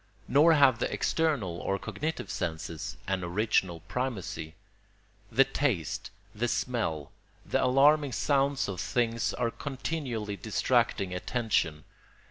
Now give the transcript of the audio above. Nor have the external or cognitive senses an original primacy. The taste, the smell, the alarming sounds of things are continually distracting attention.